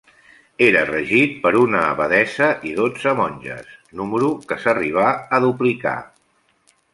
Era regit per una abadessa i dotze monges, número que s'arribà a duplicar.